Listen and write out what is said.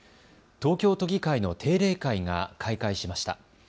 東京都議会の定例会が開会しました。